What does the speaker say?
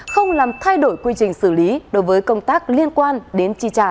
không làm thay đổi quy trình xử lý đối với công tác liên quan đến chi trả